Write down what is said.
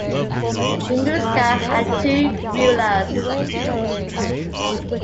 The Muisca had two rulers.